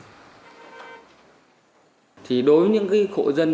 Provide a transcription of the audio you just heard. đối với những hộ dân